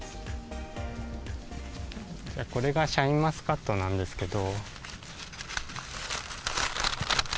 これがシャインマスカットなんですけど。